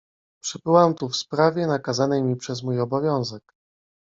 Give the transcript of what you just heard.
Przybyłam tu w sprawie, nakazanej mi przez mój obowiązek.